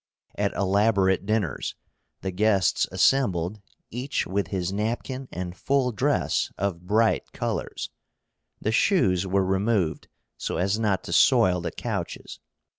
At elaborate dinners the guests assembled, each with his napkin and full dress of bright colors. The shoes were removed so as not to soil the couches.